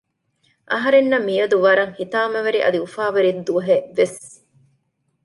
އަހަރެންނަށް މިއަދު ވަރަށް ހިތާމަވެރި އަދި އުފާވެރި ދުވަހެއް ވެސް